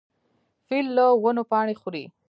فیل له ونو پاڼې خوري.